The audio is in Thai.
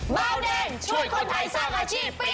เบาแดงช่วยคนไทยสร้างอาชีพปี๒